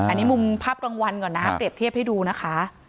อันนี้มุมภาพกลางวันก่อนนะเปรียบเทียบให้ดูนะคะ